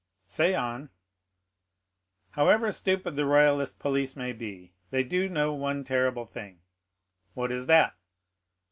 "Say on." "However stupid the royalist police may be, they do know one terrible thing." "What is that?"